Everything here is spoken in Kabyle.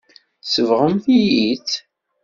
Tsebɣem-iyi-tt.